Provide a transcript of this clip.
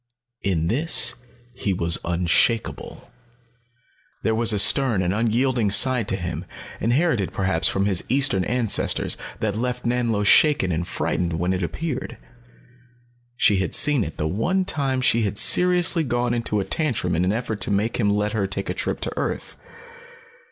In this he was unshakeable. There was a stern and unyielding side to him, inherited perhaps from his Eastern ancestors, that left Nanlo shaken and frightened when it appeared. She had seen it the one time she had seriously gone into a tantrum in an effort to make him let her take a trip to earth.